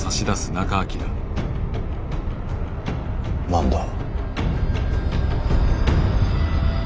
何だ。